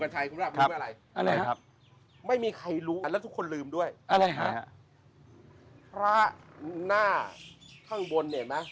สำเร็จทุกประการ